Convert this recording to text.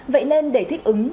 vậy nên để thích ứng